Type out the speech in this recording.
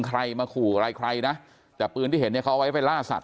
มีใครมาขออะไรใครนะแต่ปืนที่เห็นขอไว้ไปล่าสัตว์